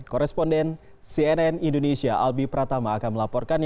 koresponden cnn indonesia albi pratama akan melaporkan